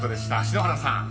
篠原さん］